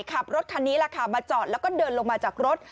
ขับรถคันนี้แหละค่ะมาจอดแล้วก็เดินลงมาจากรถ